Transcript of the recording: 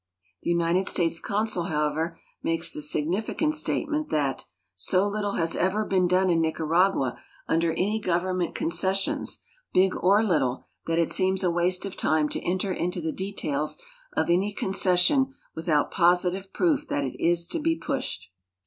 The United States consul, however, makes the signiticant statement that '"so little has ever been done in Nicaragua under any government concessions, big or little, that; it seems a waste of time to enter into the details of any concession without positive proof that it is to be pushed."